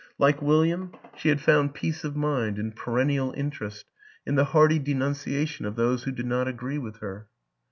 Like William, she had found peace of mind and perennial interest in the hearty denunciation of those who did not agree with her.